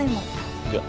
いや。